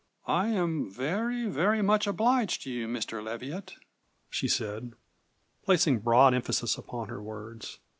"I am very, very much obliged to you, Mr. Leviatt," she said, placing broad emphasis upon her words.